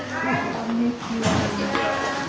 こんにちは。